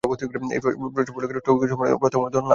এই সম্মেলনে টোকিও সম্মেলনের সমস্ত প্রস্তাব অনুমোদন লাভ করে।